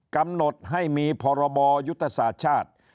กำหนดให้มีพรบยุทธศาสตร์ชาติ